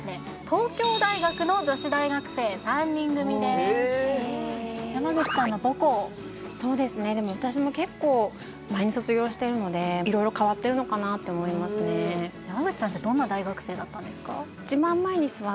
東京大学の女子大学生３人組ですへえ山口さんの母校そうですねでも私も結構前に卒業してるので色々変わってるのかなって思いますね山口さんってどんな大学生だったんですか？